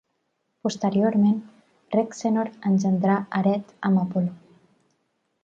Posteriorment, Rexenor engendrà Arete amb Apolo.